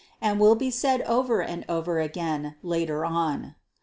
229, 237) and will be said over and over again later on.